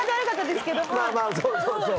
まあまあそうそうそう。